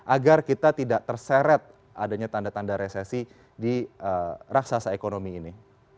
agar kita tidak terseret adanya tanda tanda resesi di raksasa ekonomi ini